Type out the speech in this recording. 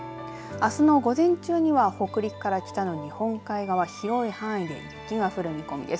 あすの午前中には北陸から北の日本海側広い範囲で雪が降る見込みです。